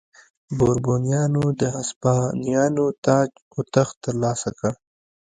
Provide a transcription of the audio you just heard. بوروبونیانو د هسپانیا تاج و تخت ترلاسه کړ.